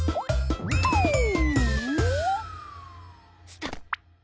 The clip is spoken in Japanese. スタッ！